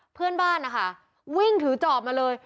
เพื่อนบ้านนะคะวิ่งถือจอบมาเลย